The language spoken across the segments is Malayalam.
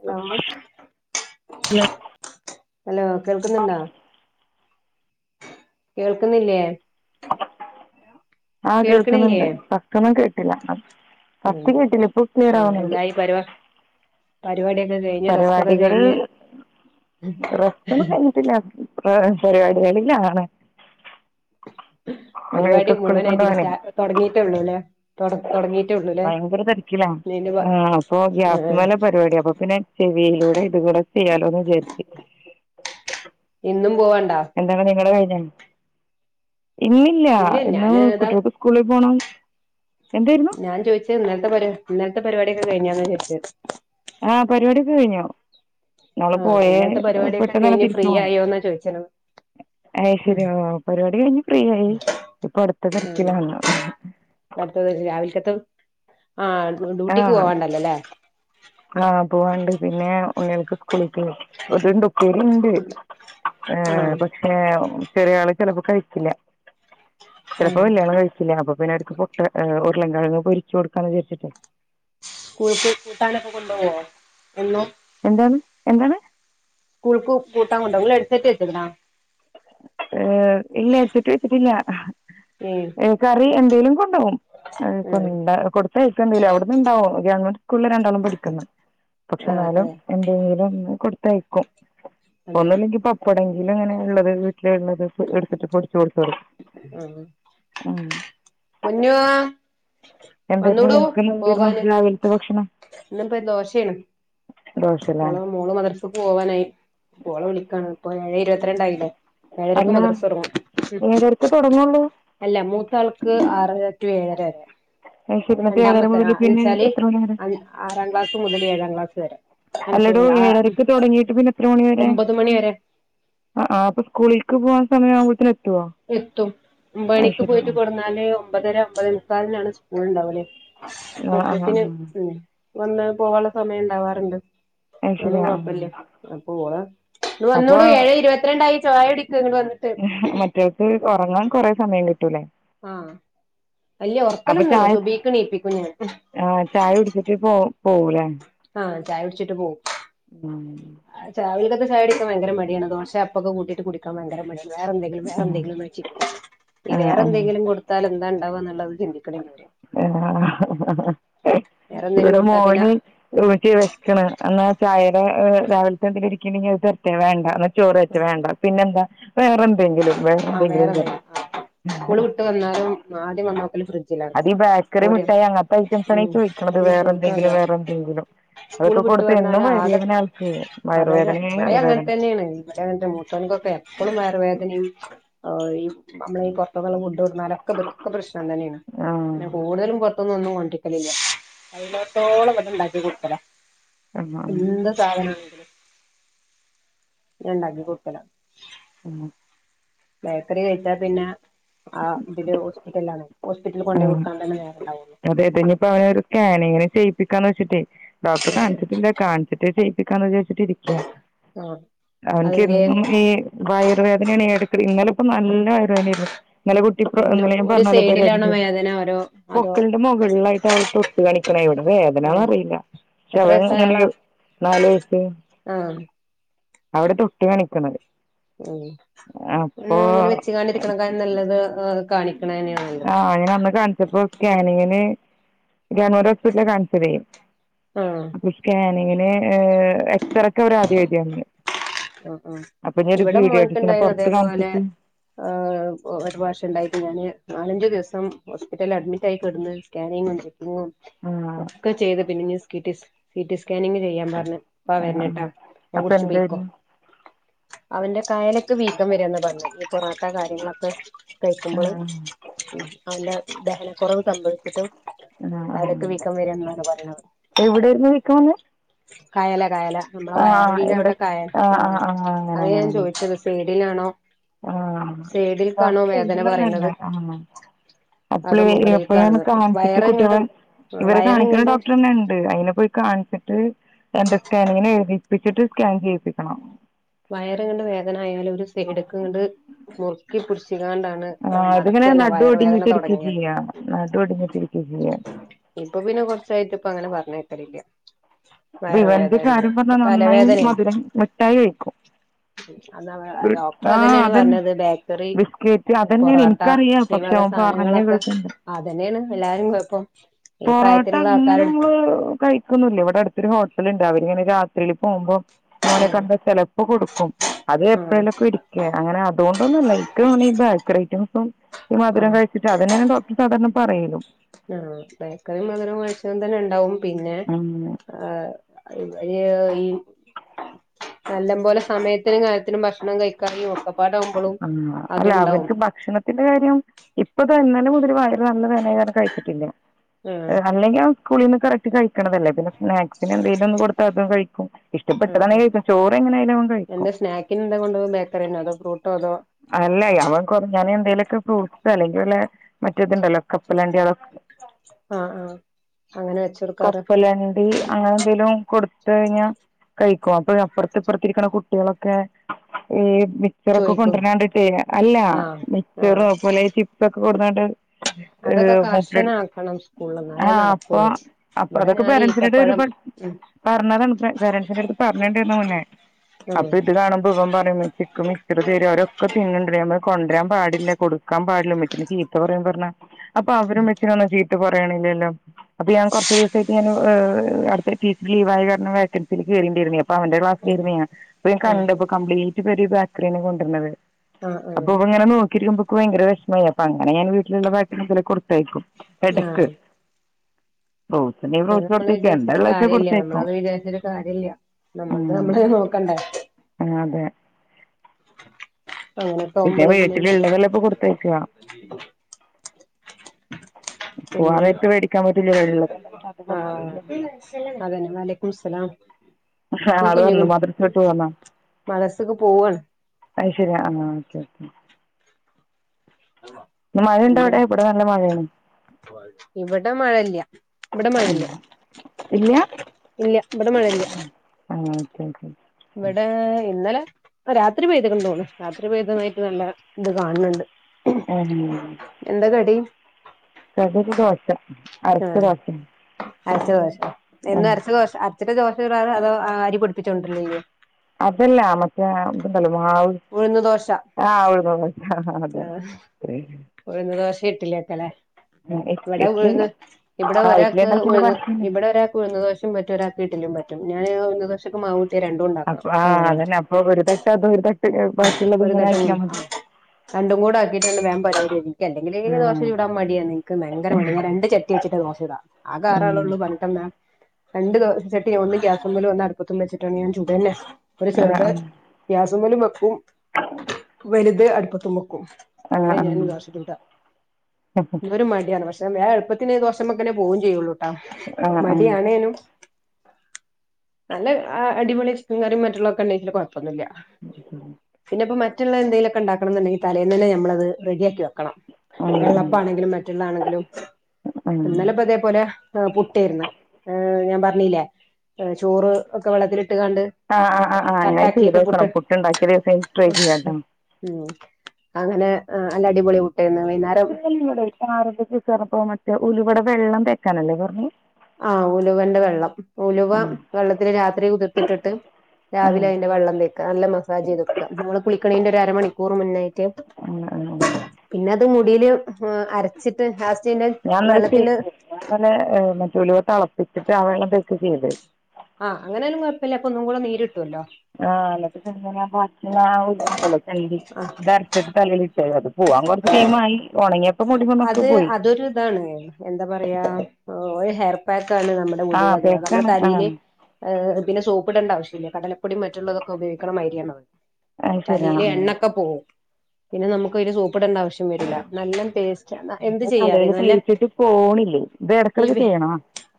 ഹലോ ഹലോ ഹലോ കേൾക്കുന്നുണ്ടോ കേൾക്കുന്നില്ലേ ആഹ കേൾക്കണില്ലേ കേൾക്കുന്നുണ്ട് ഫസ്റ്റ്റ്റൊന്നും കേട്ടില്ല ഫസ്റ്റ്കേട്ടില്ല ഇപ്പൊ ക്ലിയർ ആവുന്നുണ്ട് പരുവാ പരിപാടി ഒക്കെ ക പരിപാടികൾ റസ്റ്റ് ഒന്നും കഴിഞ്ഞിട്ടില്ല വേറെ പരാവാടി അല്ലെങ്കിലും ആണ് ഉ പരിപാടി നിങ്ങൾക്ക് സ്കൂളിൽ മുഴുവനായിട്ടില്ലസ്റ്റ കൊണ്ടുപോകാനേ തൊടങ്ങിയിട്ടേ ഉള്ളൂ അല്ലേ തൊ തൊടങ്ങിട്ടേ ഉള്ളൂ അല്ലേ ലാ ആ അപ്പൊ ആഹ് ഗ്യാസ് ആഹ് മലാ പരിപാടി അപ്പൊ പിന്നെ ചെവിയിലൂടെ ഇതും കൂടെ ചെയ്യാലോന്ന് വിചാരിച്ച് ഇന്നും പോവാണ്ടാ എന്താണ് നിങ്ങളുടെ കയിഞ്ഞാ ഇന്നി ല്ല ഇല്ല ഇന്ന് ഞാന് ഇതാ കുട്ടിയോൾക്ക് സ്കൂളിൽ പോണം എന്തായിരുന്നു ഇന്നത്തെ പരിപാ ഇന്നലത്തെ പരിപാടിയൊക്കെ കഴിഞ്ഞാന്നോ ചോയിച്ചെ ആഹ പരിപാടി ഒക്കെ കഴിഞ്ഞു ങ്ങള് ആഹ് പോയേ ഇന്നലത്തെ പരിപാടിയൊക്കെ പെട്ടെന്ന് തന്നെ കഴിഞ്ഞ് തിരിച്ചു ഫ്രീ പോന്നോ ആയോന്നാ ചോദിച്ചത് അയ് ഉം ശരിയോ പരിപാടി കഴിഞ്ഞ് ഫ്രീ ആയി ഇപ്പൊ അടുത്ത ആഹ് തിരക്കിലാണ് അടുത്തത് രാവിൽക്കത്തും ആ ഡ്യൂട്ടിക്ക് പോവാണ്ടല്ലോല്ലേ ആഹ പോവാണ്ട് പിന്നെ ഉണ്ണൾക്ക് സ്കൂളിൽക്കെ ഒരുണ്ടൊപ്പരിയിണ്ട് ആഹ് പക്ഷേ ഏ ചെറിയ ആള് ചിലപ്പോ കഴിക്കില്ല ചിലപ്പോ ആഹ് വല്യ ആളും കഴിക്ക ഇല്ലാ അപ്പൊ പിന്നെ അടുക്ക് പൊട്ട് ഉരുളൻ കിഴങ്ങ് പൊരിച്ച് കൊടുക്കാന്ന് വിചാരിച്ചിട്ട് സ്കൂൾക്ക് കൂട്ടാനൊക്കെ കൊണ്ടുവോ എന്നും എന്താന്ന് എന്താണ് സ്കൂൾക്ക് കൂട്ടാൻ കൊണ്ടാവ നിങ്ങള്‌ ഹെഡ്സെറ്റ് വച്ച്ക്ക്ണാ ഏ ഇല്ല ഹെഡ് സെറ്റ് വെച്ചിട്ടില്ല ഉം കറി എന്തേലും കൊണ്ടു പോകും അ ഇപ്പം ആഹ് മിണ്ടാ കൊടുത്തയിക്കണില്ല അവിടിന്നിണ്ടാവും ഗവൺമെന്റ് സ്കൂളിലാ രണ്ടാളും പഠിക്കുന്നെ പക്ഷെ ആഹ് എന്നാലും അതെ എ വേറെ ഒന്നും കൊടുത്തയയ്ക്കും അതെ ഒന്നുല്ലങ്കി പപ്പടെങ്കിലും അങ്ങനെ ഉള്ളത് നെ ഉള്ളത് എടുത്തിട്ട് പൊട്ടിച്ച് കൊടുത്തുവിടും ഉം ഉം പൊന്നൂ എന്തായിരുന്നു വന്നൂടോ ഇന്ന് എന്തായിരുന്നു പോവാന് രാവിലത്തെ ഭക്ഷണം ഇന്നിപ്പോ ഒരു ദോശയാണ് ദോശ അല്ലേ ഓള മോള് മദ്രസക്ക് പോവാനായി ഇപ്പോ ഓളെ വിളിക്കണം ഇപ്പോ ഏഴ് ഇരുപത്തിരണ്ടായില്ലേ ഏഴരക്ക് അല്ല മദ്രസ തൊടങ്ങും ഏഴരക്ക് തുടങ്ങുള്ളൂ അല്ല മൂത്താൾക്ക് ആറര റ്റു ഏഴര വരെ അത് ശരി എന്നിട്ട് ഏഴര രണ്ടാമത്തെ മുതൽ ആ എന്ന് പിന്നെ വെച്ചാല് എത്ര മണി വരെ ആറാം ക്ലാസ് മുതല് ഏഴാം ക്ലാസ് വരെ അല്ല അല്ലടോ സോറി ആ ഏഴരക്ക് തുടങ്ങീട്ട് പിന്നെ എത്ര മണി വരെ ഒമ്പത് മണി വരെ ആ ആ അപ്പൊ സ്കൂളിൽക്ക് പോകാൻ സമയം ആവുമ്പഴത്തേക്ക് എത്തുവോ എത്തും ഒമ്പത് അത് മണിക്ക് ശരി പോയിട്ട് ആ കൊണ്ടുന്നാല് ഒമ്പതര ഒമ്പതേ മുക്കാലിനാണ് സ്കൂൾ ഉണ്ടാവല് ആ ആ ഒപ്പത്തിന് ആ. ഉം വന്ന് പോവാനുള്ള സമയം ഉണ്ടാവാറുണ്ട് അത് ശരിയാ ല്ല അപ്പോവാ വന്നുടോ ഏഴ് ഇരുപത്തിരണ്ടായി ചായകുടിക്ക് ഇങ്ങട് വന്നിട്ട് ഇപ്പൊ ഉറങ്ങാൻ കുറേ സമയം കിട്ടൂലേ ആ അയ്യോ അപ്പൊ ഉറക്കലൊന്നും ഇല്ല ചായ സുബഹിക്കെണീപ്പിക്കും ഞാൻ ആ ചായ കുടിച്ചിട്ട് പോ പോവൂലേ ആ ചായ കുടിച്ചിട്ട് പോകും ഉം ആ രാവിലത്തെ ചായകുടിക്കാൻ ഭയങ്കര മടിയാണ് ദോശ അപ്പൊക്കെ കൂട്ടീട്ട് കുടിക്കാൻ ഭയങ്കര മടിയാണ് വേറെന്തിലും ആ വേറെന്തെങ്കിലും ഉമ്മച്ചി ഇനി ആ വേറെ ആ എന്തെങ്കിലും കൊടു ത്താല് എന്താണ്ടാവുക എന്നുള്ളത് ചിന്തിക്കണം ഇനിയത് എന്നാണാ ആ വേറെ എന്തെങ്കിലും ഇവിടെ കൊടുത്താ പിന്നെ മോന് ഉമ്മച്ചി വിശക്കണ് എന്നാൽ ചായയുടെ രാവിലത്തെ എന്തേലും ഇരിക്കണങ്കി അത് തരട്ടെ വേണ്ട എന്ന ചോറ് തരട്ടെ വേണ്ട പിന്നെന്താ വേറെ എന്തെങ്കിലും വേറെ ആഹ് എന്തെങ്കിലും നേരം പറയും ആ സ്കൂള് വിട്ട് വന്നാലും ആദ്യം വന്ന് നോക്കല് ഫ്രിഡ്ജ് അത് ഈ ബേക്കറി മുട്ടായി അങ്ങനത്തെ ഐറ്റംസ് ആണ് ഈ ഉം ചോദിക്കുന്നത് അയിന് വേറെ ചോദിക്കാതാ എന്തെങ്കിലും വേറെ എന്തെങ്കിലും സ്കൂള് അതൊക്കെ വിട്ട് കൊടുത്ത് വന്നാല് എന്നും ആകെ വയറുവേദനയാ ആൾക്ക് വയറുവേദനയേ വയറുവേദന ന്റെ മുത്തൊന്ക്കൊക്കെ എപ്പഴും വയറുവേദനയും ഈ നമ്മള് ഈ പൊറത്തുന്നുള്ള ഫു ഡ് തിന്നാലൊക്ക ഇവർക്കൊക്കെ പ്രശ്നം തന്നെയാണ് ആ ഞാൻ കൂടുതലും പൊറത്തുന്ന് ഒന്നും കൊണ്ടി റിയില്ല എന്തൊത്തോളം ഫുഡുണ്ടാക്കി കൊടുത്തതാ ആ, ആ, എന്ത് സാധന ഞാനുണ്ടാക്കി കൊടുക്കലാ ഉം ബേക്കറി കഴിച്ചാൽ പിന്നെ ആ കുട്ടിക്ക് ഹോസ്പിറ്റലിലാണ് ഹോസ്പിറ്റലിൽ ആ. കൊണ്ട് കൊടുക്കാൻ തന്നെ നേരവുണ്ടാവോളു അതെ അതെ ഇനിപ്പൊ അവനെ ഒരു സ്കാനിംഗിന് ചെയ്യിപ്പിക്കാന്ന് വെച്ചിട്ടേ ഡോക്ടറെ ഏഹ് കാണിച്ചിട്ടില്ല കാണിച്ചിട്ട് ഡേറ്റ് എടുക്കാന്ന് വെച്ചിട്ടിരിക്കയാ ആഹ് അവനിക്ക് അതെന്തേ എന്നും ഈ വയറുവേദനയാണ് എടക്ക് എടക്ക് ഇന്നലെ ഇപ്പം നല്ല വയറുവേദന ആരുന്നു ഇന്നലെ കുട്ടി ഇപ്പൊ ഇന്നലെ ഞാൻ പറഞ്ഞാലോ പരിപാടി ഉണ്ട്ന്ന് അതിനാആരോ പൊക്കളിന്റെ മുകളിലായിട്ട് അവൾ തൊട്ട് കാണിക്കണെ എവടെ ഏഹ് വേദനാന്നറിയില്ല എത്ര വയസ്സായാളാ [unintelligible] നാല് വയസ് ആഹ് അവിടെ തൊട്ട് കാണിക്കും എന്നാല് ഉം അങ്ങനെ വെച്ച് കൊണ്ടിരിക്കണ കാട്ടിലും നല്ലത് കാണിക്കണ തന്നെയാണ് നല്ലത് അങ്ങനെ അന്ന് കാണിച്ചപ്പോ സ്കാനിംഗിന് ഗവൺമെന്റ് ഹോസ്പിറ്റലിലാ കാണിച്ചത് ആഹ് അപ്പം സ്കാനിംഗിന് എക്സറേക്ക് അവര് ആദ്യ എഴുതിയായിരുന്നു ആഹ് ആഹ് അപ്പം ഇനി ഒരു പീഡിയാട്രീഷനെ പൊറത്ത് കാണിച്ചിട്ട് ആ ഒരു പ്രാവശ്യം ഉണ്ടായിട്ട് ഞാന് നാലഞ്ചു ദിവസം ഹോസ്പിറ്റലിൽ അഡ്മിറ്റ് ആയിക്കിടന്ന് സ്കാനിങ്ങും ചെക്കിങ്ങും ആ ഒക്കെ ചെയ്ത് പിന്നെ ഇനി സ്കിറ്റി സി റ്റി സ്കാനിങ് ചെയ്യാൻ പറഞ്ഞു പ്പാ ആ ആ. വരുന്നിട്ടാ വേഗം അപ്പൊ കുടിച്ചു പോയിക്കോ എന്തായിരുന്നു അവന്റെ കയലൊക്കെ വീക്കം വരാന്നാ പറഞ്ഞത്. ഈ പൊറോട്ടാ കാര്യങ്ങളൊക്കെ കഴിക്കുമ്പള്, ആ അയ്‌ന്റെ ദഹനക്കുറവ് സംഭവിച്ചിട്ട് ആ ആ കയലൊക്കെ വീക്കം വരും ന്നാണ് പറീണെത്. എവിടെയായിരുന്നു നിൽക്കുന്നത് കയല, കയല. നമ്മളെ ആ ആ വയറിന്റെ ഇവിടെ അവ്ടെ കയ, ആ ആ ആഹ്. ആ അങ്ങനെ അതേയ് ഞാൻ ചോയിച്ചത്. പേടിലാണോ ആഹ് വേദന പറയണത് [unintelligible] ആഹ് അതോ അപ്പള് എപ്പഴാണ് മുകളിൽക്കാണെന്ന് കാണിച്ചിട്ട് വയറങ്ങണ്ട് കുട്ടികളെ ഇവരെ കാണിക്കുന്ന വയറിങ്ങണ്ട് ഡോക്ടറന്നെ ഉണ്ട് അയിനെ പോയി കാണിച്ചിട്ട് എന്താ സ്കാനിങ്ങിനു എഴുതിപ്പിച്ചിട്ട്, സ്കാൻ ചെയ്യിപ്പിക്കണം. വയറുങ്ങട് വേദന ആയാലും ഒരു സൈട്ക്കു ഇങ്ങട് മുറുക്കി പിടിച്ചിണ്ടാണ്. ആ ഇതിങ്ങനെ നടു ഒടിഞ്ഞിട്ട് ഇരിക്ക ചെയ്യാ നടു ഒടിഞ്ഞിട്ടിരിക്കേ ചെയ്യാ ഇപ്പൊ പിന്നെ കുറച്ചായിട്ട് ഇപ്പ അങ്ങനെ പറഞ്ഞ് കേക്കലില്ല അപ്പ ഇവന്റെ കാര്യം പറഞ്ഞ നന്നായി തലവേദനേണ് മധുരം മിട്ടായി കഴിക്കും അത് ഡോക്ടർ ആ അതന്നെയാണ് അതന്നെ പറഞ്ഞത് ബേക്കറി ബിസ്ക്കറ്റ് പൊറോ അതന്നെയാണ് റോട്ട എനിക്കറിയാം പക്ഷെ ഈവക അവൻ പറഞ്ഞ സാധനങ്ങളൊക്കെ കേൾക്കുന്നുണ്ട് അതന്നെയാണ് എല്ലാരും കുഴപ്പം പൊറോട്ട അങ്ങനെ മ്മള് കഴ ഴിക്കൊന്നുല്ല ഇവിടെ അടുത്തൊരു ഹോട്ടൽ ഉണ്ട് അവരിങ്ങനെ രാത്രിയിൽ പോകുമ്പോം ഇങ്ങോനെ കണ്ട ചെലപ്പോ കൊടുക്കും അത് ആഹ് എപ്പോഴെലൊക്കെ ഒരിക്കെ അങ്ങനെ അതുകൊണ്ടൊന്നുല്ല എനിക്ക് തോന്നി ബേക്കറി ഐറ്റംസും മധുരം ആഹ് കഴിച്ചിട്ട് അത് തന്നെ ഡോക്ടർ സാധാരണ പറയലും ഉം ബേക്കറി മധുരം കഴിച്ചാ തന്നെ ഉണ്ടാവും പിന്നെ ഉം. ആ ഇവര് ഈ നല്ലം പോലെ സമയത്തിനും കാലത്തിനും ഭക്ഷണം കഴിക്കായിയും ഒക്കെ [unintelligible] അല്ല അവർക്ക് ഭക്ഷ ഭക്ഷണത്തിന്റെ കാര്യം ഇപ്പൊ ദാ ഇന്നലെ മുതൽ വയറു നല്ല വേദനയായ കാരണം കഴിച്ചിട്ടില്ല ആഹ് അല്ലങ്കിൽ അവൻ സ്കൂളിൽ നിന്ന് കറക്റ്റ് കഴിക്കണതല്ലേ പിന്നെ സ്നാക്സിന് എന്തേലും ഒന്ന് കൊടുത്താൽ അതും കഴിക്കും ആഹ് ഇഷ്ടപ്പെട്ടതാണെങ്കി കഴിക്കും. ചോറ് എങ്ങനായാലും അവൻ കഴിക്കും. ക്കിന് എന്താ കൊണ്ടോണത് ബേക്കറിയാണോ അതോ ഫ്രൂട്ടോ അതോ അല്ലേ അവൻ കൊറ ഞാൻ എന്തേലുക്കെ ഫ്രൂട്ട്സ് അല്ലെങ്കിൽ വല്ല മറ്റേതുണ്ടല്ലോ കപ്പലണ്ടി അതൊക്കെ ആ ആ അങ്ങനെ വെച്ചൊടുക്കാറ് [unintelligible] അങ്ങനെ എന്തേലും കൊടുത്ത് കഴിഞ്ഞാ. കഴിക്കോ അപ്പഴ് അപ്പർത്ത് ഇപ്പർത്തിരിക്കണ കുട്ടികളൊക്കെ ഈ മിച്ചറൊക്കെ ചോയിക്കും കൊണ്ടരണ കണ്ട്ട്ടേ അല്ല ആഹ് ആഹ് മിച്ചറും അതുപോലെ ഈ ചിപ്സ് ഒക്കെ കൊണ്ടുന്നണ്ട് അതൊക്കെ കർശനം ആക്കണം സ്കൂളിൽ ഇന്നാലേ ആഹ് അപ്പൊ നടക്കുള്ളൂ അപ്പൊ ഇവടെ അതൊക്കെ ഞാൻ പേരൻസിനോട് ഈത്തപ്പഴം. ഒരുപാ [unintelligible] പറഞ്ഞതാണ് പേ പേരൻറ്സിന്റെ അടുത്ത് പറഞ്ഞേണ്ടിരുന്നു മുന്നേ ആഹ് അപ്പൊ ഇത് കാണുമ്പോ ഇവൻ പറയുന്നു ചി ക്ക് മിച്ചറ് തരോ അവരൊക്കെ തിന്ന്ണ്ട് ഞമ്മൾ കൊണ്ടരാൻ പാടില്ല കൊടുക്കാൻ പാടില്ല ഇമ്മച്ചിനെ ചീത്ത പറയും പറഞ്ഞ അപ്പൊ അവരെ ഇമ്മച്ചിനെ ഒന്നും ചീത്ത പറയണില്ലല്ലോ അപ്പൊ ഞാൻ കുറച്ച ദിവസ ഞാന് അടുത്ത [unintelligible] ലീവായ കാരണം വേക്കൻസിയിൽ കേറിണ്ടിരുന്നെ അപ്പ അവന്റെ ആഹ് ക്ലാസിലായിരുന്നേ ഞാ അപ്പ ആഹ് കണ്ട് അപ്പോ കംപ്ലീറ്റ് പേരും ഈ ബേക്കറിയന്നെ കൊണ്ടരുന്നത്. ആഹ് അപ്പൊ ഇവൻ ആഹ് ഇങ്ങനെ നോക്കിരിക്കുപ്പൊ ഇക്ക് ഭയങ്കര വെഷ്മായി അപ്പൊ അങ്ങനെ ഞാൻ വീട്ടില്ള്ള ബാക്കിള്ളെ ഇത്പോലെ കൊട്ത്തയക്കും. എടക്ക് ആഹ് ഫ്രൂട്ട്സ് നീ അത് ഫ്രൂട്ട്സ് നമ്മള് കൊടുത്തേക്കും എന്താ വിചാരിച്ചിട്ട് ഉള്ള വെച്ചാൽ കാര്യ ഇല്ല്യ. കൊടുത്തേക്കും നമ്മളത് വിചാരിച്ചിട്ട് കാര്യ ഇല്ല്യ. നമ്മള്തേ ഉം. നമ്മള് നോക്കണ്ടേ ആ അതെ അങ്ങനൊക്കെ പിന്നെ ആവുമ്പള് വീട്ടില്ള്ളതെല്ലെ ഇപ്പൊ കൊടുത്തേക്കാ. പിന്നെ അത് ആ കൊടുത്തേക്കില്ല അതന്നെ വലൈക്കുമുസ്സലാം. ഉൽ ആള് വന്നു കുഞ്ഞിക്ക മദ്രസ വിട്ട് പോന്നാ മദ്രസ്സക്ക് പോവാണ് അത് ശരി ആഹ് ഓക്കെ ഓക്കെ [unintelligible] ഇന്ന് എന്താ മഴയുണ്ടാവിടെ ഇവിടെ നല്ല മഴയാണ് ഇവിടെ മഴയില്യ ഇവിടെ ഉം. മഴല്ല ഇല്ല ഇല്ല്യ ഇവിടെ മഴയില്ല്യ ഉം. ആ ക്കെ ക്കെ ഇവിടെ ഇന്നലെ രാത്രി പെയ്തിക്ക്ണുതോന്നു രാത്രി പെയ്തതായിട്ട് നല്ല ഇത് കാണുന്നുണ്ട് ആ ഹും എന്താ കടി [unintelligible] ദോശ ആ അരച്ച ദോശ അരച്ച ദോശ എന്നും ഉം. അരച്ച ദോശ അര എന്നും ദോശ ചുടാറ അതോ അരിപൊടിപ്പിച്ചുകൊണ്ടരില്ലയ്യ അതല്ല മറ്റേ ഇത്ണ്ടല്ലോ മാവ് ഉഴുന്ന് ദോശ ആ ഉഴുന്നുദോശ അ അതെയതെ ആഹ് ഉഴുന്ന് ദോശിട്ടലിയാക്കല്ലേ ഇവടെ ഇഡ്ഡലി ഉഴുന്ന് ഇബടെ ആ ഇഡ്ഡലി ഒരാൾക്ക് ഉണ്ടാക്കിയതിന്റെ ഉഴ്ന്ന് ബാക്കിയല്ലേ ഇബടൊരാക്ക് ഉഴ്ന്ന് ദോശ ദോശയും പറ്റും ഇഢലി പറ്റും. ഞാൻ ഒന്ന് വിശക്കുമ്പോൾ മാവ് കൂട്ടി രണ്ടും ഇണ്ടാക്കണം ഇക് അങ്ങനെയാ ഓ ഒരു തട്ട് അതും ഒരു തട്ട്, ബാക്കിയുള്ളത് ഒരു ഇങ്ങനെ തട്ടം ആക്കിയാ മതി. ആഹ് രണ്ടും കൂടി ആക്കിയിട്ടാണ്ട് വേഗം പരിപാടി കഴിയും. എനിക്ക് അല്ലെങ്കിലെ ആ ദോശ ചൂടാൻ മടിയാ. ഭയങ്കര മടിയാ ഞാൻ രണ്ട് ചട്ടി വച്ചിട്ട് നോക്കിയതാ. ആകേ ആറാളെ ഉം. ഉള്ളൂ രണ്ട് ചട്ടി ഒന്ന് ഗ്യാസ്മലും ഒന്ന് അടുപ്പത്തും വെച്ചിട്ടാണ് ഞാൻ ചുടന്നെ ഒരു ആ ആ ആ ചെറുത് ഗ്യാസ്മ്മലും വെക്കും. വലുത് അടുപ്പത്തും വെക്കും. ആ അങ്ങനെ ആ ആ ഞാൻ ദോശ ചുടുക. ഇവര് മടിയാണ്. പക്ഷേ ഞാൻ എളുപ്പത്തിന് ദോശ മേത്തന്നെ പോകയും ചെയ്യുള്ളൂ ട്ടാ. ആ ആ. മടിയാണേനും നല്ല അടിപൊളി ചോറും കറി മറ്റുള്ളതൊക്കെ ഇൻണ്ടെങ്കിൽ പിന്നെ കൊഴപ്പൊന്നുമില്ല അതെ പിന്നെ മറ്റുള്ള എന്തെങ്കിലൊക്കെ ഇണ്ടാക്കണംന്ന്ണ്ടെങ്കിൽ തലേന്നെ നമ്മളത് റെഡിയാക്കി വെക്കണം. വെള്ളാപ്പം ആണെങ്കിലും മറ്റുള്ളാണെങ്കിലും, ഇന്നലെ ഇപ്പൊ ഇതേപോലെ. ആ പുട്ടേർന്ന് ഞാൻ പറഞ്ഞില്ലേ ചോറ് ഒക്കെ വെള്ളത്തിലിട്ടങ്ങാണ്ട് ആഹ് ആഹ്ആ അങ്ങനെ ച്ചീതോക്കണം പുട്ട് ഇണ്ടാക്കിയ ദിവസം ട്രൈ ചെയ്യാം കേട്ടോ ഉ അങ്ങനെ അല്ല അടിപൊളി പുട്ടേയ്ന്ന്. വൈന്നേരം സിറപ്പോറ മറ്റോ, ഉലുവേടെ വെള്ളം തേക്കാനല്ലേ പറഞ്ഞേ. ആഹ് ഉലുവന്റെ വെള്ളം. ഉലുവ വെള്ളത്തിൽ രാത്രി കുതിർത്തിട്ടിട്ട് രാവിലെ അയിന്റെ വെള്ളം തേക്ക. നല്ല മസാജ് ചെയ്ത കൊടുക്ക നമ്മള് കുളിക്കണീന്റെ ഒരു അരമണിക്കൂർ മുന്നായിട്ട് ഉം ഉം ഉ പിന്നെ അത് മുടിയില് അരച്ചിട്ട് ലാസ്റ്റ് ഞാൻ ഇന്നലെ വെള്ളത്തിന്. ചെയ്തു ഇന്നലെ മറ്റുലുവ തളപ്പിച്ചിട്ട് ആ വെള്ളം തേച്ച് ചെയ്ത് ആഹ അങ്ങനെ ഒന്നും കുഴപ്പല്ല അപ്പം ഒന്നും കൂടെ നീര് കിട്ടല്ലോ. ആ അങ്ങനെ അരച്ച ആ ഉലുവയുണ്ടല്ലോ ആഹ് അരിച്ചിട്ട് തലയിട്ടാൽ മതി അങ്ങോട്ട് ടൈം ആയി ഉണങ്ങിയപ്പോൾ മുടി കുന്നൊക്കെ അത് പോയി അതൊരു ഇതാണ് എന്താ പറയാ ഒരു ഹെയർ പാക്ക് ആണ് നമ്മൾ ആ ഉലുവടൊ നമ്മളെ പേക്കാണ് ആ തലയേല് ഏ പിന്നെ സോപ്പിടണ്ടാവശ്യമില്ല. കടലപ്പൊടി മറ്റുള്ളതൊക്കെ ഉപയോഗിക്കുന്നമാരിയാണ്. അത് ശരി ആ തലീല് എണ്ണൊക്കെ പോവും. പിന്നെ നമുക്ക് ഒര് സോപ്പിടേണ്ട ആവശ്യം വരില്ല. നല്ല പേസ് അ തലയിൽ തേച്ചിട്ട് പോണില്ലേ. ഇത് ഈ എടക്കടക്ക് ചെയ്യണോ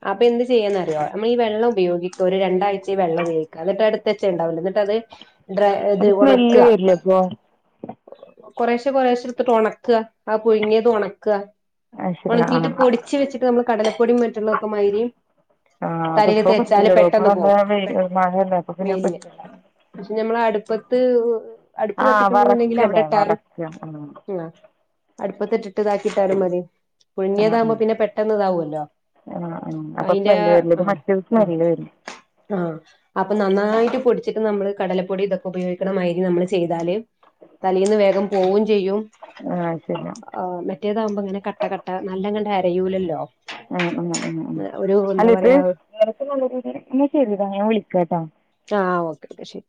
അപ്പൊ എന്ത് ചെയ്യാന്നറിയോ നമ്മൾ ഈ വെള്ളം ഉയോഗിക്ക. ഒരു രണ്ടാഴ്ച ഈ വെള്ളം ഉപയോഗിക്കുക. എന്നിട്ട് എടുത്ത് വെച്ചത് ഉണ്ടാവില്ലോ എന്നിട്ട് അത് ഡ്രൈ ഇത് അത് ഉണക്ക സ്മെല്ല് വരില്ലേ അപ്പോൾ കൊറേശ്ശെ കൊറോശ്ശെ എടുത്തിട്ട് ഉണക്ക. ആ പുഴുങ്ങിയത് ഉണക്ക അത് ശരി ആ ഒണക്കിട്ട് പൊടിച്ച് വച്ചിട്ട് നമ്മൾ കടലപ്പൊടിയും മറ്റുള്ളതൊക്കെ മാതിരി ആ അതിപ്പോൾ തലതേച്ചാല് പറ്റില്ലടോ ഇപ്പോൾ പെട്ടെന്ന് പോകും നല്ല വെയിൽ മഴയല്ലേ അപ്പോൾ പിന്നെ മെല് പറ്റില്ല ഞമ്മള അടുപ്പത്ത് അടുപ്പ് ആ കത്തിക്കു ണ്ടെങ്കിൽ അവിടെ വറക്കല്ലേ ഇട്ടാലും വറക്കുക ആ ആ അടുപ്പത്തിട്ടിട്ടതാക്കിട്ടാലും മതി ആ ആ പുഴുങ്ങിയതാകുമ്പോ പിന്നെ പെട്ടന്ന് ഇതാവൊല്ലോ ആ ആ അപ്പോൾ അതിന്റെ സ്മെല്ല് വരില്ല ആ ഇത് മറ്റേത് സ്മെല്ല് വരും ആ ആ അപ്പൊ നന്നായിട്ട് പൊടിച്ചിട്ട് നമ്മള് കടലപ്പൊടി ഇതൊക്കെ ഉപയോഗിക്കണമായിതിരി നമ്മള് ചെയ്താല് തലയിന്ന് വേഗം പോവും ചെയ്യും ആഹ് ശരി ആ മറ്റേതാകുമ്പോ ഇങ്ങനെ കട്ട കട്ട നല്ലങ്ങണ്ട് അരയൂലല്ലോ ആ ഉ ഉ ഉ ഒരു എന്താ അല്ല ഇത് പറയാ ന്ന ശരിടാ ഞാൻ വിളിക്ക ട്ടോ ആ ഓക്കെ ഓക്കെ ശരി